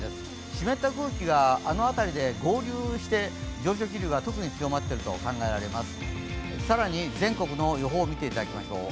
湿った空気があの辺りで合流して、上昇気流が特に高まっているように感じます。